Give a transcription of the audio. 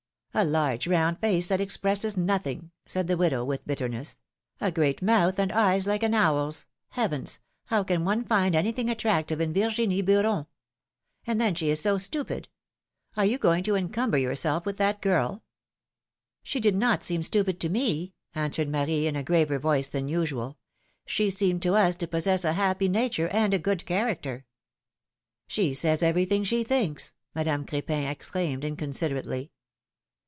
^^A large, round face, that expresses nothing !^ said the widow, with bitterness; ^^a great mouth, and eyes like an owl's. Heavens ! how can one find anything attractive in Yirginie Beuron? And then, she is so stupid ! Are you going to encumber yourself with that girl?" 140 philomI:ne's maeriages. She did not seem stupid to me/' answered Marie, in a graver voice than usual. She seemed to us to possess a happy nature and a good character." She says everything she thinks !" Madame Crepin exclaimed, inconsiderately.